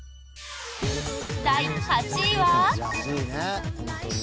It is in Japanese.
第８位は。